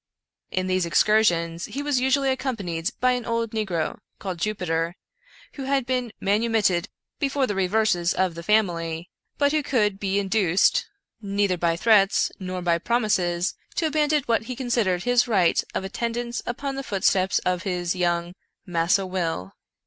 In these excursions he was usually accompanied by an old negro, called Jupiter, who had been manumitted before the reverses of the family, but who could be induced, 125 American Mystery Stories neither by threats nor by promises, to abandon what he con sidered his right of attendance upon the footsteps of his young " Massa Will."